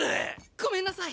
ごめんなさい！